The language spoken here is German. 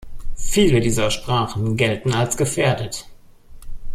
Viele dieser Sprachen gelten als gefährdet.